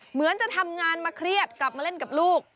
เหมือนจะทำงานมาเครียดกลับมาเล่นกับลูก